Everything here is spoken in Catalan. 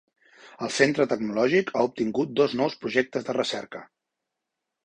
El centre tecnològic ha obtingut dos nous projectes de recerca.